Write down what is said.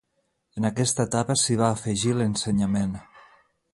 En aquesta etapa s'hi va afegir l'ensenyament.